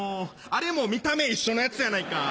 あれも見た目一緒のやつやないか。